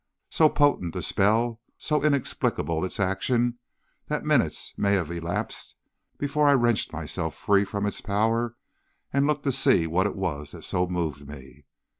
"So potent the spell, so inexplicable its action, that minutes may have elapsed before I wrenched myself free from its power and looked to see what it was that so moved me.